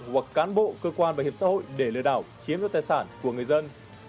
hoặc cán bộ cơ quan bảo hiểm xã hội để lừa đảo chiếm đoạt tài sản của người dân